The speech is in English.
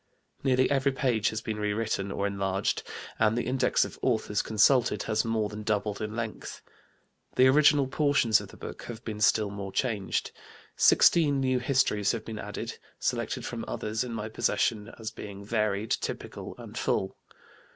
Nearly every page has been rewritten or enlarged and the Index of Authors consulted has more than doubled in length. The original portions of the book have been still more changed; sixteen new Histories have been added, selected from others in my possession as being varied, typical, and full.